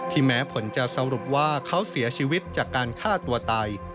แม้ผลจะสรุปว่าเขาเสียชีวิตจากการฆ่าตัวตาย